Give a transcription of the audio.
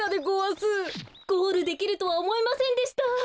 ゴールできるとはおもいませんでした。